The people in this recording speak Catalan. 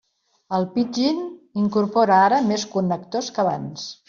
El Pidgin incorpora ara més connectors que abans.